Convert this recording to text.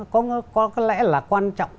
có lẽ là quan trọng